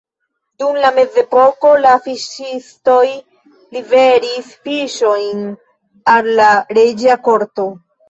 Dum la mezepoko la fiŝistoj liveris fiŝojn al la reĝa korto.